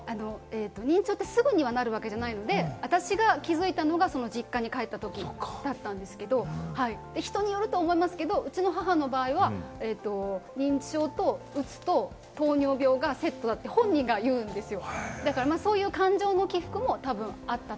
認知症ってすぐになるわけではなくて、私が気づいたのは実家に帰ったときだったんですけれども、人によると思うんですけれども、うちの母の場合は認知症とうつと糖尿病がセットだって本人が言うんですよ。